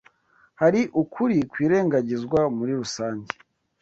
Hari ukuri kwirengagizwa muri rusange